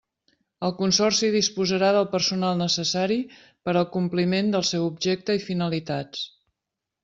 El consorci disposarà del personal necessari per al compliment del seu objecte i finalitats.